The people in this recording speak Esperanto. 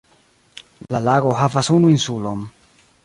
La lago havas unu insulon.